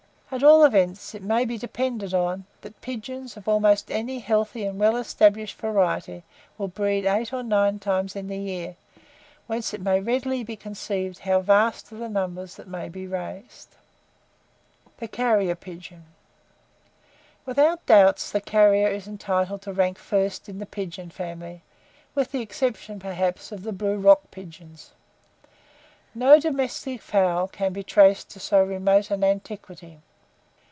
At all events, it may be depended on, that pigeons of almost any healthy and well established variety will breed eight or nine times in the year; whence it may readily be conceived how vast are the numbers that may be raised. [Illustration: CARRIER PIGEONS.] THE CARRIER PIGEON. Without doubt the carrier is entitled to rank first in the pigeon family, with the exception, perhaps, of the blue rock pigeons. No domestic fowl can be traced to so remote an antiquity.